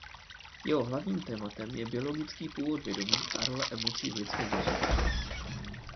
Jeho hlavním tématem je biologický původ vědomí a role emocí v lidském rozhodování.